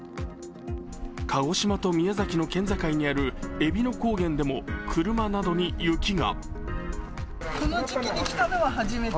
鹿児島と宮崎の県境にあるえびの高原でも車などに雪が。